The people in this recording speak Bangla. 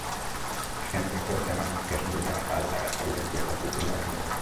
শ্যানেলে স্টুয়ার্টজার্মান ফ্যাশন ডিজাইনার কার্ল লাগারফেল্ডের প্রিয় পাত্রী তিনি অনেক দিন ধরেই।